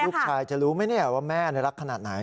ลูกชายจะรู้ไหมว่าแม่รักขนาดไหน